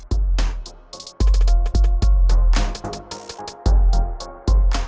soalnya gue mesti ketemu sama ata